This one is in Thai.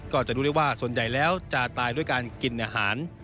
ก็จะรู้ได้ว่าส่วนใหญ่แล้วจะตายด้วยการกินอาหาร